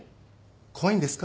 怖いんですか？